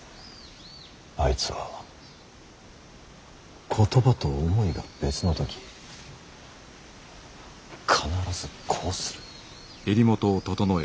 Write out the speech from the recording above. あいつは言葉と思いが別の時必ずこうする。